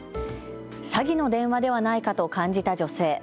詐欺の電話ではないかと感じた女性。